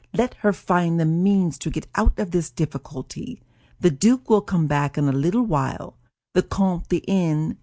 Let her find the means to get out of this difficulty. The duke will come back in a little while. The Comte de N.